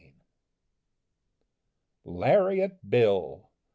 _LARIAT BILL.